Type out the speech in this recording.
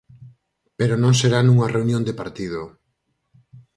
Pero non será nunha reunión de partido.